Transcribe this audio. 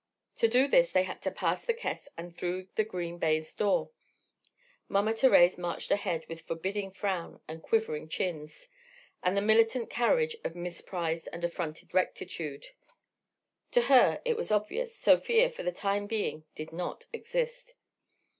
To do this they had to pass the caisse and through the green baize door. Mama Thérèse marched ahead with forbidding frown and quivering chins, with the militant carriage of misprized and affronted rectitude. To her, it was obvious, Sofia for the time being did not exist.